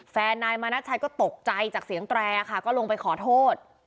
นายมานาชัยก็ตกใจจากเสียงแตรค่ะก็ลงไปขอโทษ